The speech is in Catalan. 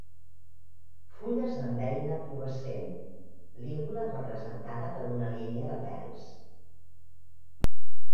Fulles amb beina pubescent; lígula representada per una línia de pèls.